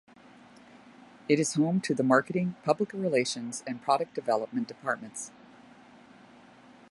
It is home to the marketing, public relations and product development departments.